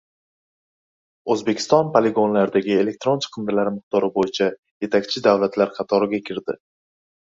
O‘zbekiston poligonlardagi elektron chiqindilar miqdori bo‘yicha yetakchi davlatlar qatoriga kirdi